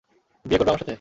বিয়ে করবে আমার সাথে?